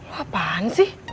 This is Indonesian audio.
lo apaan sih